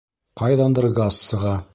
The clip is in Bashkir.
Ҡайҙандыр газ сыға